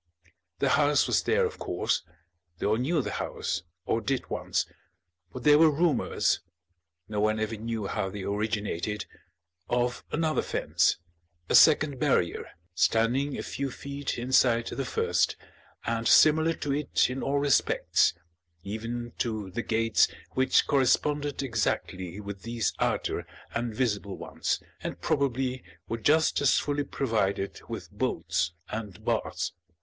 The house was there, of course, they all knew the house, or did once but there were rumours (no one ever knew how they originated) of another fence, a second barrier, standing a few feet inside the first and similar to it in all respects, even to the gates which corresponded exactly with these outer and visible ones and probably were just as fully provided with bolts and bars.